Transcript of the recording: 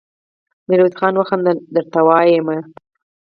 ميرويس خان وخندل: درته وايم يې!